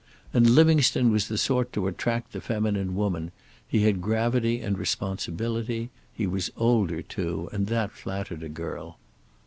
And Livingstone was the sort to attract the feminine woman; he had gravity and responsibility. He was older too, and that flattered a girl.